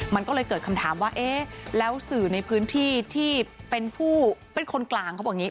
มันก็เลยเกิดคำถามว่าเอ๊ะแล้วสื่อในพื้นที่ที่เป็นผู้เป็นคนกลางเขาบอกอย่างนี้